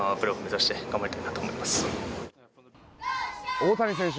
大谷選手